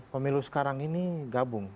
pemilu sekarang ini gabung